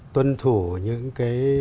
tuân thủ những cái